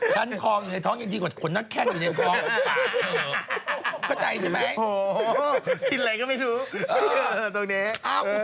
ฉันทองอยู่ในทองยังดีกว่าขนนักแค่นอยู่ในทองคิดอะไรก็ไม่รู้